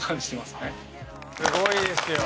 すごいですよ。